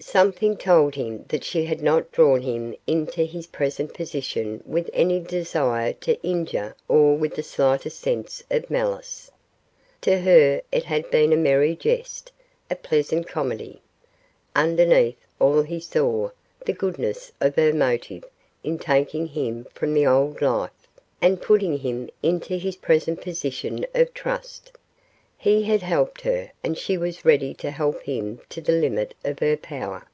Something told him that she had not drawn him into his present position with any desire to injure or with the slightest sense of malice. To her it had been a merry jest, a pleasant comedy. Underneath all he saw the goodness of her motive in taking him from the old life, and putting him into his present position of trust. He had helped her, and she was ready to help him to the limit of her power.